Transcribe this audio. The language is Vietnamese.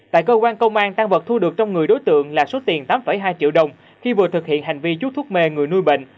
tại cơ quan công an tăng vật thu được trong người đối tượng là số tiền tám hai triệu đồng khi vừa thực hiện hành vi chút thuốc mê người nuôi bệnh